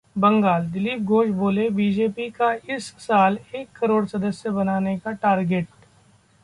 बंगाल: दिलीप घोष बोले- बीजेपी का इस साल एक करोड़ सदस्य बनाने का टारगेट